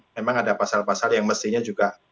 memang ada pasal pasal yang mestinya juga